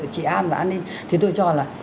trị an và an ninh thì tôi cho là